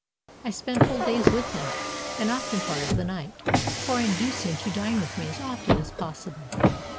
I spend whole days with him, and often part of the night: for I induce him to dine with me as often as possible.